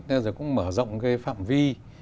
nên rồi cũng mở rộng cái phạm vi